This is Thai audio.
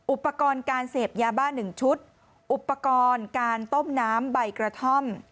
อุปกรณ์การเสพยาบ้า๑ชุดอุปกรณ์การต้มน้ำใบกระท่อม